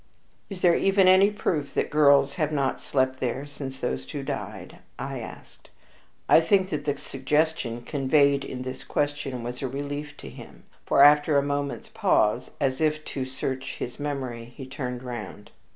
"Is there even any proof that girls have not slept there since those two died?" I asked. I think that the suggestion conveyed in this question was a relief to him, for after a moment's pause, as if to search his memory, he turned round.